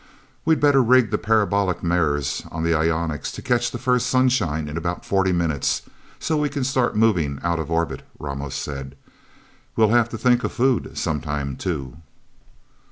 "We'd better rig the parabolic mirrors of the ionics to catch the first sunshine in about forty minutes, so we can start moving out of orbit," Ramos said. "We'll have to think of food, sometime, too."